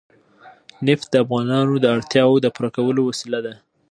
نفت د افغانانو د اړتیاوو د پوره کولو وسیله ده.